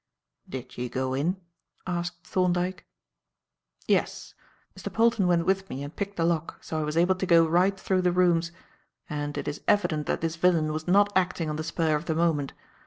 "Did you go in?" asked Thorndyke. "Yes. Mr. Polton went with me and picked the lock, so I was able to go right through the rooms. And it is evident that this villain was not acting on the spur of the moment.